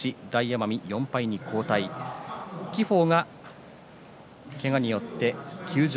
輝鵬は、けがによって休場。